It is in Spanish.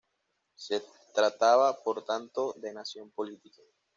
Se trataba, por tanto, de nación política.